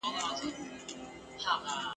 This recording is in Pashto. دوستي د سلو کلونو لار ده !.